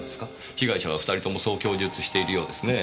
被害者は２人ともそう供述しているようですねぇ。